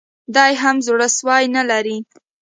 دی هم زړه سوی نه لري